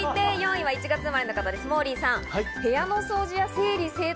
４位は１月生まれの方です、モーリーさん。